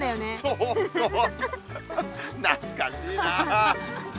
そうそうなつかしいな。